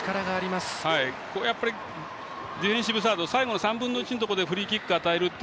ディフェンシブサード最後の３分の１のところでフリーキックすごく出るんで